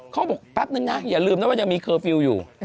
เขาบอกแป๊บนึงนะอย่าลืมนะว่ายังมีเคอร์ฟิลล์อยู่